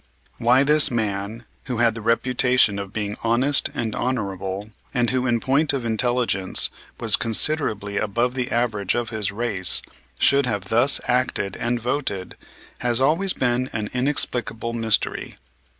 Why this man, who had the reputation of being honest and honorable, and who in point of intelligence was considerably above the average of his race, should have thus acted and voted has always been an inexplicable mystery.